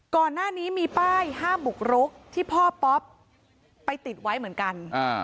ก่อนหน้านี้มีป้ายห้ามบุกรุกที่พ่อป๊อปไปติดไว้เหมือนกัน